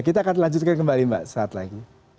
kita akan lanjutkan kembali mbak saat lagi